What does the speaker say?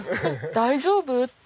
大丈夫？って。